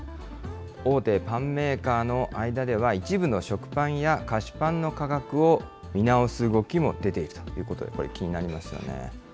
大手パンメーカーの間では一部の食パンや菓子パンの価格を見直す動きも出てきているということで、これ、気になりますよね。